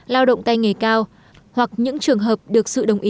lao động tay nghề cao hoặc những trường hợp được sự đồng ý